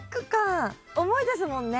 重いですもんね。